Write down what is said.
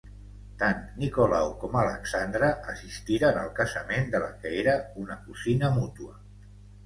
Tant Nicolau com Alexandra assistiren al casament de la que era una cosina mútua.